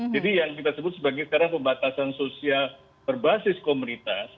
jadi yang kita sebut sebagai sekarang pembatasan sosial berbasis komunitas